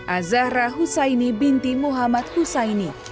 azahra hussaini binti muhammad hussaini